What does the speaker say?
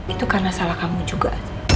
itu karena salah kamu juga